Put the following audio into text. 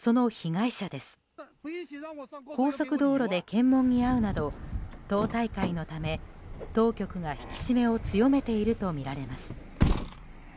高速道路で検問に遭うなど党大会のため当局が引き締めを強めているとみられます。